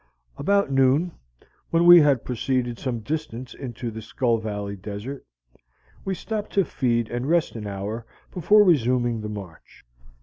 About noon, when we had proceeded some distance into the Skull Valley desert, we stopped to feed and rest an hour before resuming the march.